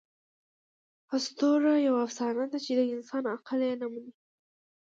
آسطوره یوه افسانه ده، چي د انسان عقل ئې نه مني.